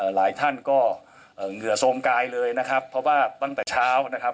หลายท่านก็เหงื่อโซมกายเลยนะครับเพราะว่าตั้งแต่เช้านะครับ